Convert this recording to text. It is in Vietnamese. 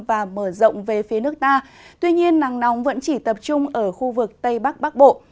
và mở rộng về phía nước ta tuy nhiên nắng nóng vẫn chỉ tập trung ở khu vực tây bắc bắc bộ